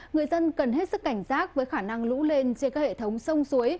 người dân cần hết sức cảnh giác với khả năng lũ lên trên các hệ thống sông suối